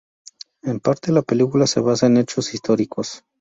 En parte la película se basa en hechos históricos.